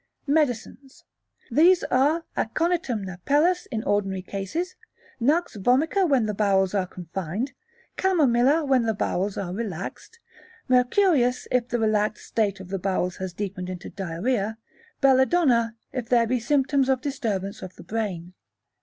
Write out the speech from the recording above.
Medicines. These are Aconitum napellus, in ordinary cases; Nux vomica, when the bowels are confined; Chamomilla, when the bowels are relaxed; Mercurius, if the relaxed state of the bowels has deepened into diarrhoea; Belladonna, if there be symptoms of disturbance of the brain.